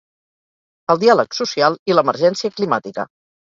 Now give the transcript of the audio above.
El diàleg social i l'emergència climàtica.